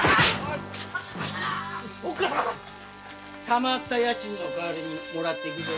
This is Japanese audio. たまった家賃の代りにもらってゆくぜ。